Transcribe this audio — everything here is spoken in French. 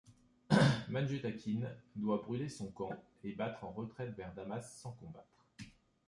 Manjutakin doit brûler son camp et battre en retraite vers Damas sans combattre.